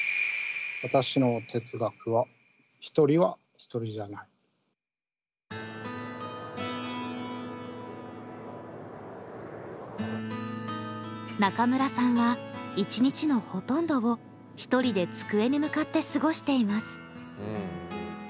私の哲学は中村さんは一日のほとんどをひとりで机に向かって過ごしています。